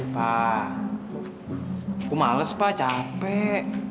pak kok males pak capek